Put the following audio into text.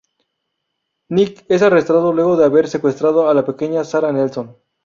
Nick es arrestado luego de haber secuestrado a la pequeña Sarah Nelson.